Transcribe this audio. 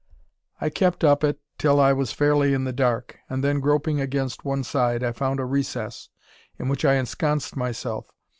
I kept up it till I was fairly "in the dark"; and then groping against one side, I found a recess, in which I ensconced myself.